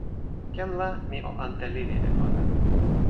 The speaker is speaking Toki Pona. ken la mi o ante lili e ona.